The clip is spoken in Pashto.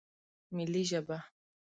ملي ژبه